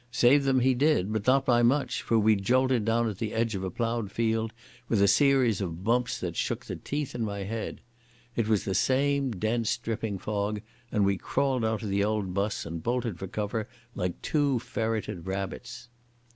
Save them he did, but not by much for we jolted down on the edge of a ploughed field with a series of bumps that shook the teeth in my head. It was the same dense, dripping fog, and we crawled out of the old bus and bolted for cover like two ferreted rabbits.